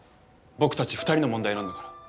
僕たち２人の問題なんだから。